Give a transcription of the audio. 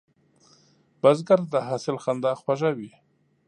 بزګر ته د حاصل خندا خوږه وي